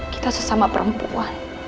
kita sesama perempuan